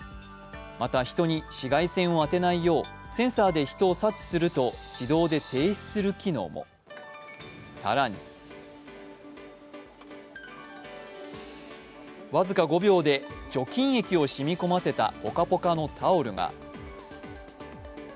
また人に紫外線を当てないようセンサーで人を察知すると自動で停止する機能も、更に、僅か５秒で除菌液を染み込ませたポカポカのタオルが。